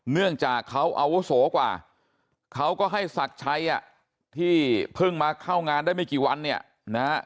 เนื่องจากเขาอาวุโสกว่าเขาก็ให้ศักดิ์ชัยอ่ะที่เพิ่งมาเข้างานได้ไม่กี่วันเนี่ยนะฮะ